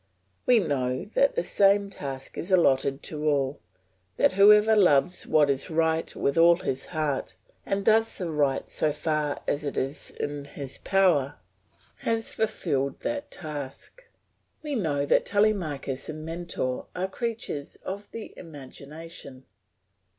We know that the same task is allotted to all; that whoever loves what is right with all his heart, and does the right so far as it is in his power, has fulfilled that task. We know that Telemachus and Mentor are creatures of the imagination.